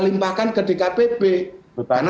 limpahkan ke dkpp karena